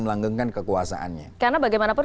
melanggengkan kekuasaannya karena bagaimanapun